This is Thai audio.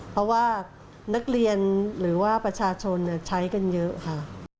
เพราะว่านักเรียนหรือว่าประชาชนใช้กันเยอะค่ะ